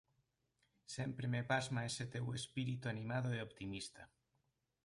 _Sempre me pasma ese teu espírito animado e optimista.